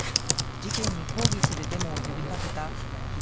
事件に抗議するデモを呼びかけた菱